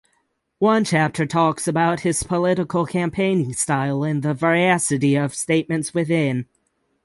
One chapter talks about his political campaigning style and the veracity of statements within.